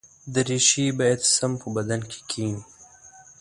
دریشي باید سم په بدن کې کېني.